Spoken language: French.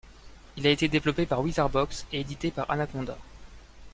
Il a été développé par Wizarbox et édité par Anaconda.